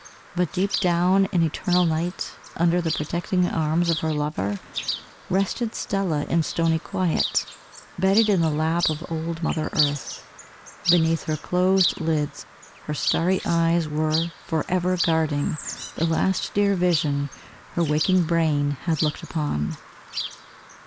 But deep down in eternal night, under the protecting arms of her lover, rested Stella in stony quiet, bedded in the lap of old Mother Earth. Beneath her closed lids her starry eyes were for ever guarding the last dear vision her waking brain had looked upon.